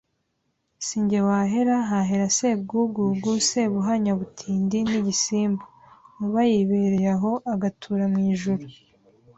Si jye wahera hahera Sebwugugu Sebuhanya-butindi n' igisimba. Nkuba yibereye aho agatura mu ijuru